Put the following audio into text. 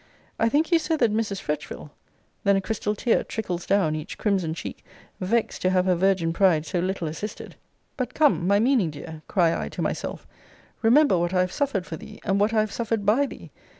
I think you said that Mrs. Fretchville Then a crystal tear trickles down each crimson cheek, vexed to have her virgin pride so little assisted. But, come, my meaning dear, cry I to myself, remember what I have suffered for thee, and what I have suffered by thee!